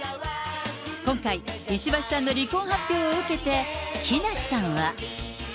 今回、石橋さんの離婚発表を受けて、木梨さんは。